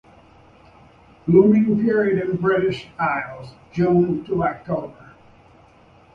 Blooming period in British Isles - Jun-Oct.